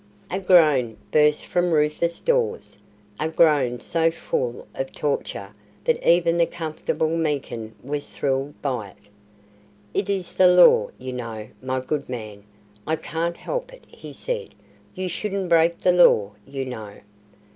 A groan burst from Rufus Dawes; a groan so full of torture that even the comfortable Meekin was thrilled by it. "It is the Law, you know, my good man. I can't help it," he said. "You shouldn't break the Law, you know."